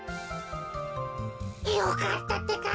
よかったってか。